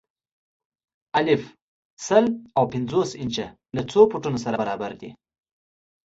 الف: سل او پنځوس انچه له څو فوټو سره برابر دي؟